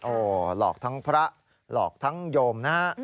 โอ้โหหลอกทั้งพระหลอกทั้งโยมนะฮะ